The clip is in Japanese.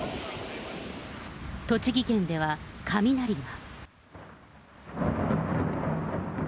栃木県では雷が。